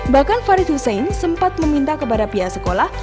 bahkan farid husein sempat meminta kepada piyasa